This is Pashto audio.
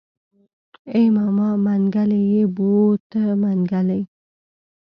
ای ماما منګلی يې بوته منګلی.